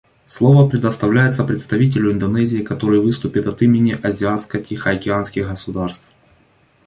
Слово предоставляется представителю Индонезии, который выступит от имени азиатско-тихоокеанских государств.